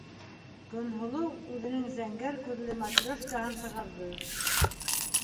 Көнһылыу үҙенең зәңгәр күҙле матреш- каһын сығарҙы: